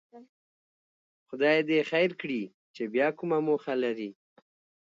خدای دې خیر کړي چې بیا کومه موخه لري.